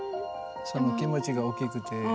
その気持ちが大きくて。